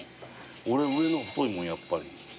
俺上の太いもんやっぱり。